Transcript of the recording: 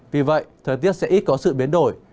vì vậy thời tiết sẽ ít có sự biến đổi